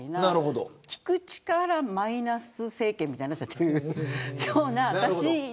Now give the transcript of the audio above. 聞く力マイナス政権みたいになっちゃってる。